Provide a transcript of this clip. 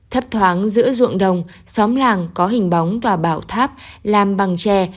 thấp thoáng giữa ruộng đồng xóm làng có hình bóng và bảo tháp làm bằng tre